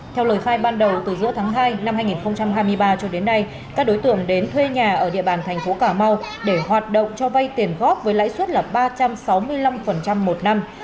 theo lời khai ban đầu từ giữa tháng hai năm hai nghìn hai mươi ba cho đến nay các đối tượng đến thuê nhà ở địa bàn thành phố cà mau để hoạt động cho vay tiền góp với lãi suất là ba trăm sáu mươi năm một năm